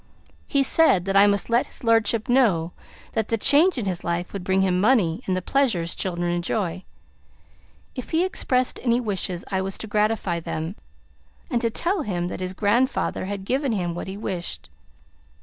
He said that I must let his lordship know that the change in his life would bring him money and the pleasures children enjoy; if he expressed any wishes, I was to gratify them, and to tell him that his grand father had given him what he wished.